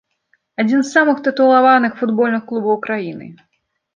Адзін з самых тытулаваных футбольных клубаў краіны.